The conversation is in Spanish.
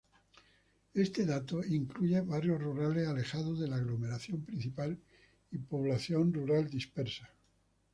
Este dato incluye barrios rurales alejados de la aglomeración principal y población rural dispersa.